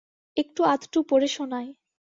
একটু-আধটু পড়ে শোনায়।